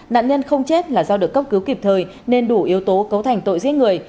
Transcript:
nạn nhân không chết là do được cấp cứu kịp thời nên đủ yếu tố cấu thành tội giết người